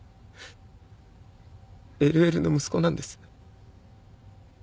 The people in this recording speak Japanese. ＬＬの息子なんです。